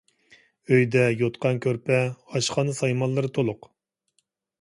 ئۆيدە يوتقان-كۆرپە، ئاشخانا سايمانلىرى تولۇق.